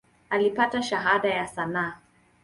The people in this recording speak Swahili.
Alipata Shahada ya sanaa.